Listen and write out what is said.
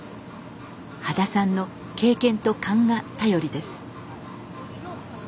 羽田さんの経験と勘が頼りです。